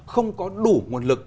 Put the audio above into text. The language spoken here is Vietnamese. không có đủ nguồn lực